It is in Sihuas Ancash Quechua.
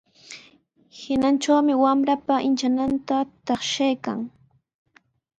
Inichami wamranpa inchananta taqshaykan.